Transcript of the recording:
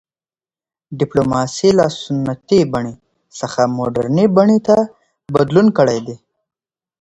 ډیپلوماسي له سنتي بڼې څخه مډرنې بڼې ته بدلون کړی دی